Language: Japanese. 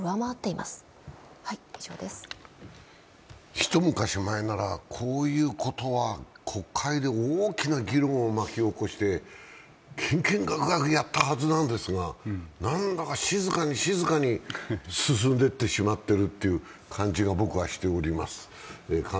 一昔前ならこういうことは国会で大きな議論を起こしてかんかんがくがくやったはずなんですが、なんだ静かに、静かに進んでいってしまっているという感じが僕はしております。